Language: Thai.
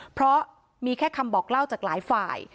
เพราะมีแค่คำบอกเล่าจากหลายฝ่าย